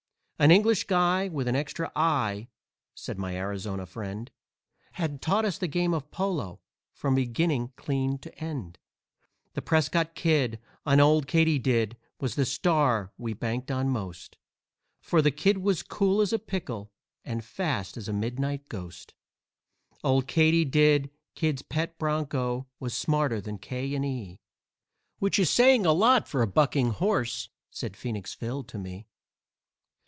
"An English guy with an extra eye," said my Arizona friend, "Had taught us the game of polo, from beginning clean to end. The Prescott Kid on Old Katydid was the star we banked on most, For the Kid was cool as a pickle and fast as a midnight ghost. Old Katydid, Kid's pet bronco, was smarter than 'K. & E.,' Which is saying a lot for a bucking horse," said Phoenix Phil to me.